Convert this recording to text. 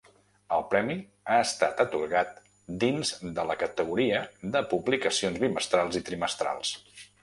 El premi ha estat atorgat dins de la categoria de publicacions bimestrals i trimestrals.